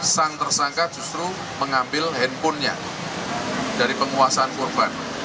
sang tersangka justru mengambil handphonenya dari penguasaan korban